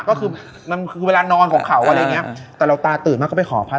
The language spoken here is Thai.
ก็คือมันคือเวลานอนของเขาอะไรอย่างเงี้ยแต่เราตาตื่นมาก็ไปขอพัก